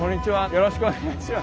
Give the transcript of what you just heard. よろしくお願いします。